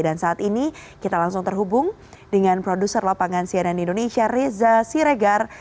dan saat ini kita langsung terhubung dengan produser lapangan cnn indonesia reza siregar